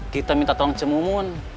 kita minta tolong cemumun